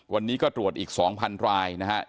วันนี้ก็ตรวจอีก๒๐๐รายนะครับ